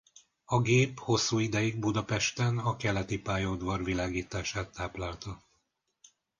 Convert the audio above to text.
A gép hosszú ideig Budapesten a Keleti pályaudvar világítását táplálta.